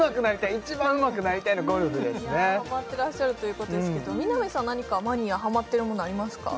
はまってらっしゃるということですけど南さん何かマニアはまってるものありますか？